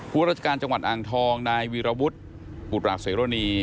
ครัวราชการจังหวัดอ่างทองนายวิราวุฒิบุราชสวยโรนี